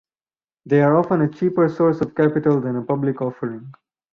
They are often a cheaper source of capital than a public offering.